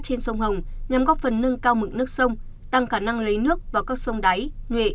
trên sông hồng nhằm góp phần nâng cao mực nước sông tăng khả năng lấy nước vào các sông đáy nhuệ